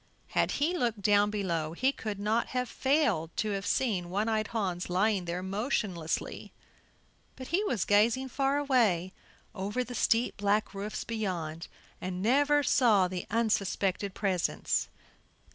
Had he looked down below he could not have failed to have seen One eyed Hans lying there motionlessly; but he was gazing far away over the steep black roofs beyond, and never saw the unsuspected presence.